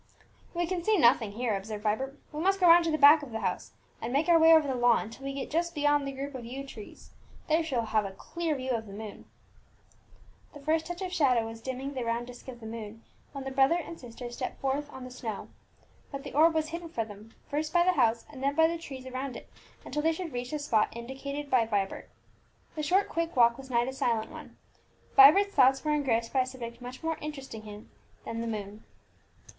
"We can see nothing here," observed Vibert; "we must go right round to the back of the house, and make our way over the lawn, till we get just beyond the group of yew trees. There we shall have a clear view of the moon." The first touch of shadow was dimming the round disc of the moon when the brother and sister stepped forth on the snow. But the orb was hidden from them, first by the house, and then by the trees around it, until they should reach the spot indicated by Vibert. The short quick walk was not a silent one; Vibert's thoughts were engrossed by a subject much more interesting to him than the moon.